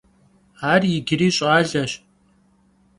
Ar yicıri ş'aleş.